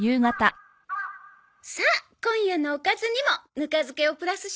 さあ今夜のおかずにもぬか漬けをプラスしましょう！